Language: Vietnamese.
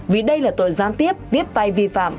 vì đây là tội gián tiếp tiếp tay vi phạm